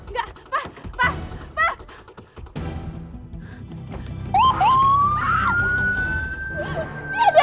gak pak pak pak